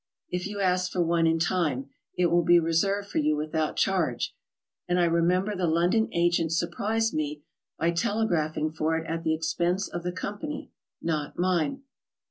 If you ask for one in time, it will be reserved for you without charge, and I remember the London agent surprised me by telegraphing for it at the expense of the company, not mine.